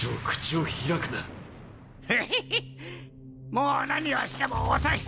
もう何をしても遅い！